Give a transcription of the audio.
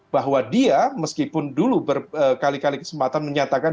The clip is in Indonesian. bahwa dia meskipun dulu berkali kali kesempatan menyatakan